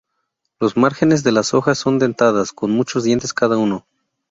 Los márgenes de las hojas son dentadas, con muchos dientes cada uno.